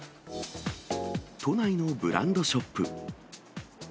都内のブランドショップ。